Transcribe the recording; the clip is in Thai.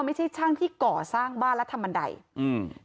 ไม่ใช่ช่างที่ก่อสร้างบ้านและทำบันไดอืม